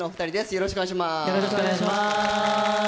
よろしくお願いします。